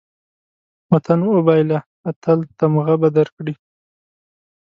وطن وبېله، اتل تمغه به درکړي